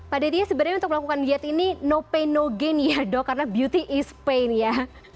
pak detya sebenarnya untuk melakukan diet ini no pay no gain ya dok karena beauty is pain ya